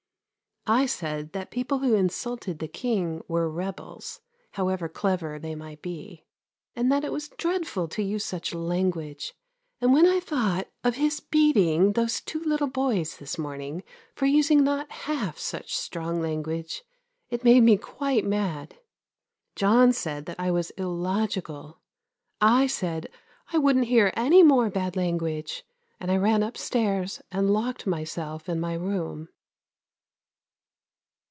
I said that people who insulted the King were rebels, however clever they might be, and that it was dreadful to use such language; and when I thought of his beating those two little boys this morning for using not half such strong language it made me quite mad. John said that I was illogical. I said I wouldn't hear any more bad language; and I ran upstairs and locked myself in my room.